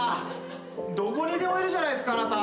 どこにでもいるじゃないっすかあなた。